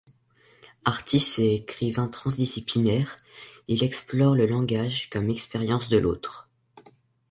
Artiste et écrivain transdisciplinaire, il explore le langage comme expérience de l’autre.